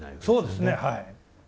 そうですねはい。